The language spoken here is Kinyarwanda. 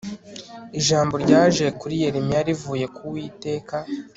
ijambo ryaje kuri yeremiya rivuye ku uwiteka